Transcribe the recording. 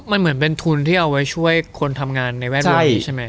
มันเหมือนเป็นทุนที่เอาไว้ช่วยคนทำงานในแวดวงนี้ใช่ไหม